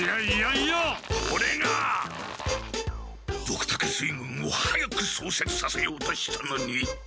ドクタケ水軍を早くそうせつさせようとしたのに！